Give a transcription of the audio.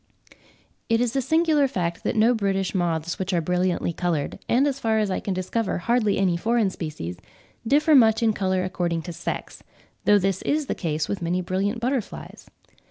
It is a singular fact that no British moths which are brilliantly coloured, and, as far as I can discover, hardly any foreign species, differ much in colour according to sex; though this is the case with many brilliant butterflies.